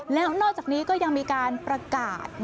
แล้วนอกจากนี้ก็ยังมีการประกาศ